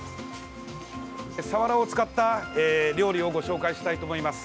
サワラを使った料理をご紹介したいと思います。